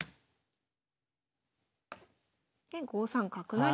で５三角成。